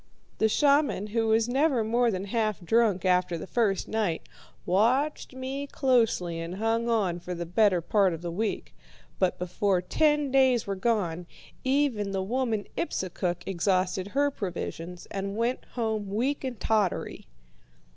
The shaman, who was never more than half drunk after the first night, watched me closely and hung on for the better part of the week. But before ten days were gone, even the woman Ipsukuk exhausted her provisions, and went home weak and tottery.